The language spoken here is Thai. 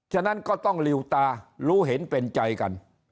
ฉะนั้นก็ต้องลิวตารู้เห็นเป็นใจกัน